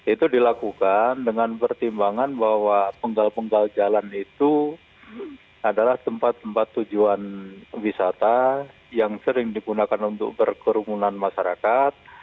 itu dilakukan dengan pertimbangan bahwa penggal penggal jalan itu adalah tempat tempat tujuan wisata yang sering digunakan untuk berkerumunan masyarakat